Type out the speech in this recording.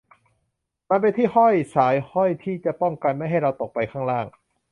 มันเป็นที่ห้อยสายห้อยที่จะป้องกันไม่ให้เราตกไปข้างล่าง